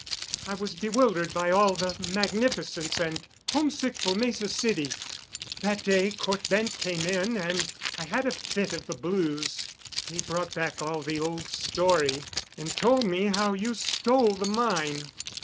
I was bewildered by all the magnificence and homesick for Mesa City. That day Cort Bent came in I had a fit of the blues. He brought back all the old story—and told me how you stole the mine."